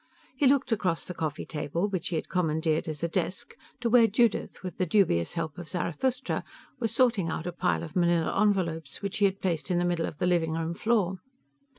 He looked across the coffee table, which he had commandeered as a desk, to where Judith, with the dubious help of Zarathustra, was sorting out a pile of manila envelopes which she had placed in the middle of the living room floor.